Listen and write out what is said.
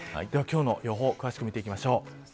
では、今日の予報詳しく見ていきましょう。